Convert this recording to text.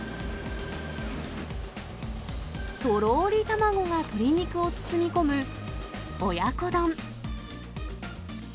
とろーり卵が鶏肉を包み込む親子丼。